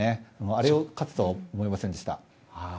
あれを勝つとは思いませんでした。